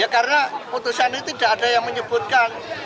karena putusan itu tidak ada yang menyebutkan